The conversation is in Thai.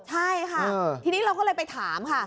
ใช่ค่ะทีนี้เราก็เลยไปถามค่ะ